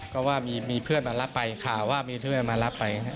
ก็ว่ามีเพื่อนมารับไปข่าวว่ามีเพื่อนมารับไป